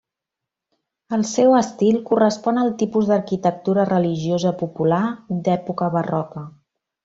El seu estil correspon al tipus d'arquitectura religiosa popular d'època barroca.